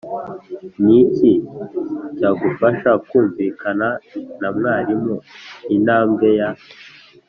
Ni iki cyagufasha kumvikana na mwarimu Intambwe ya